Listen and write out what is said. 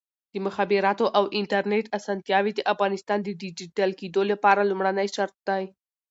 د مخابراتو او انټرنیټ اسانتیاوې د افغانستان د ډیجیټل کېدو لپاره لومړنی شرط دی.